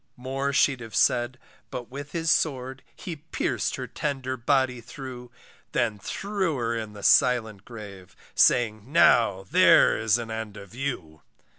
More she'd have said, but with his sword, He pierc'd her tender body through; Then threw her in the silent grave, Saying, now, there is an end of you.